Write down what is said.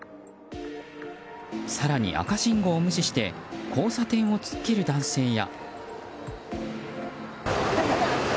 更に赤信号を無視して交差点を突っ切る男性や。